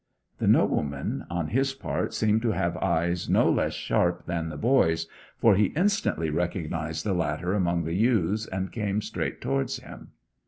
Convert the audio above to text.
The nobleman, on his part, seemed to have eyes no less sharp than the boy's, for he instantly recognized the latter among the ewes, and came straight towards him.